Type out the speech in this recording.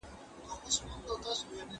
ملکيت بايد د خير په لاره کي وي.